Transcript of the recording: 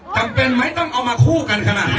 จำเป็นไหมต้องเอามาคู่กันขนาดนี้